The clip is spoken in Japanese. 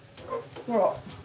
ほら。